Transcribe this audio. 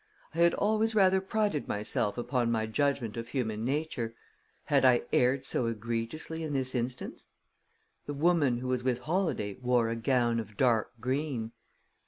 I had always rather prided myself upon my judgment of human nature had I erred so egregiously in this instance? "The woman who was with Holladay wore a gown of dark green."